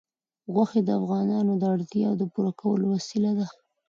غوښې د افغانانو د اړتیاوو د پوره کولو وسیله ده.